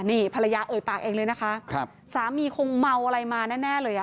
นี่ภรรยาเอ่ยปากเองเลยนะคะครับสามีคงเมาอะไรมาแน่เลยอ่ะ